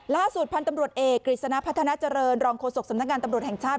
ล่าสุดพันธุ์ตำรวจเอกกฤษณะพัฒนาเจริญรองโฆษกสำนักงานตำรวจแห่งชาติ